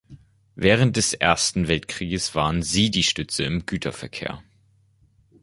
Während des Ersten Weltkrieges waren sie "die" Stütze im Güterverkehr.